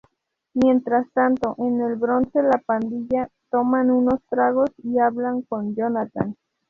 Mientras tanto, en el Bronze la pandilla toman unos tragos y hablan con Jonathan.